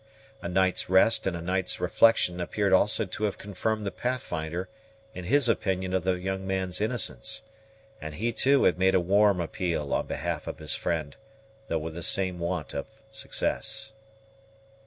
A night's rest and a night's reflection appeared also to have confirmed the Pathfinder in his opinion of the young man's innocence; and he, too, had made a warm appeal on behalf of his friend, though with the same want of success.